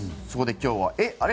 そこで今日はえっ？